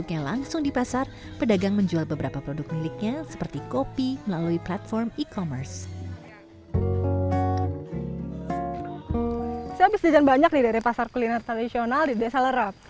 saya bisa dijanjikan banyak dari pasar kuliner tradisional di desa lerep